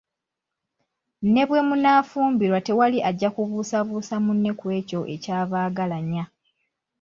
Ne bwe munaafumbirwa tewali ajja kubuusabuusa munne ku ekyo ekyabaagalanya.